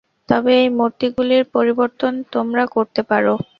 তবে এই মূর্তিগুলির পরিবর্তন তোমরা করতে পার।